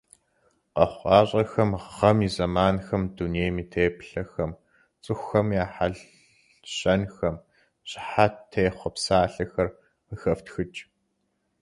Къэхъукъащӏэхэм, гъэм и зэманхэм, дунейм и теплъэхэм, цӏыхухэм я хьэлщэнхэм щыхьэт техъуэ псалъэхэр къыхэфтхыкӏ.